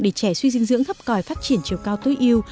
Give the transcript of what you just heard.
để trẻ suy dinh dưỡng thấp còi phát triển chiều cao tối yêu